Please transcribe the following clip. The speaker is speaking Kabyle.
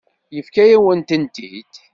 Yefka-yawen-tent-id.